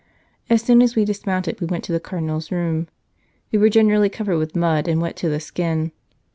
As soon as we dismounted we went to the Cardinal s room. We were generally covered with mud and wet to the skin.